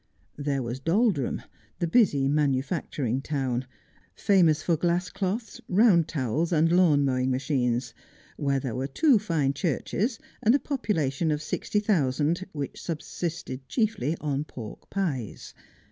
There was Doldrum, the busy manufacturing town ; famous for glasscloths, round towels, and lawn mowing machines ; where there were two fine churches, and a population of sixty thousand, which subsisted chiefly on pork pies.